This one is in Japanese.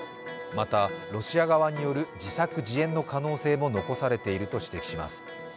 またロシア側による自作自演の可能性も残されていると指摘します。